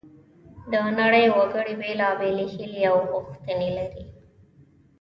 د نړۍ وګړي بیلابیلې هیلې او غوښتنې لري